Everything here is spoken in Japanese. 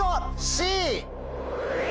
Ｃ！